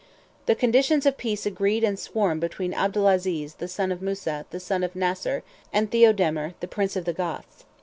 "The conditions of peace agreed and sworn between Abdelaziz, the son of Musa, the son of Nassir, and Theodemir prince of the Goths.